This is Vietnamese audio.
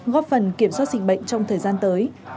góp phần kiểm soát dịch bệnh trong thời gian tới